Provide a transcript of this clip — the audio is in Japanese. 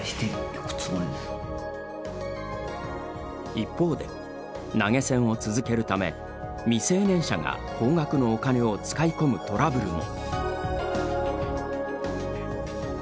一方で、投げ銭を続けるため未成年者が高額のお金を使い込むトラブルも。